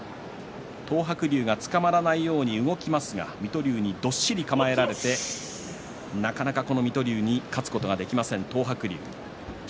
東白龍がつかまらないように動きますが水戸龍にどっしり構えられてなかなか水戸龍に勝つことができません。